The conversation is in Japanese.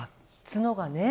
角がね